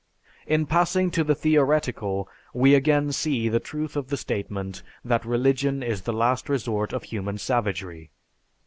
In passing to the theoretical, we again see the truth of the statement that religion is the last resort of human savagery.